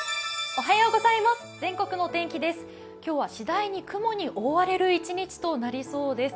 今日は次第に雲に覆われる一日となりそうです。